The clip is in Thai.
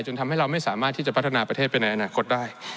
ทำให้เราไม่สามารถที่จะพัฒนาประเทศไปในอนาคตได้